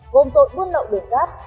gồm tội quân lậu đường cát